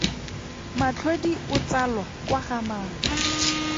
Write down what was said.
Matlhodi o tsalwa kwa ga mang?